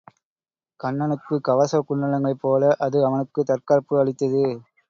கன்னனுக்குக் கவச குண்டலங்களைப்போல அது அவனுக்குத் தற்காப்பு அளித்தது.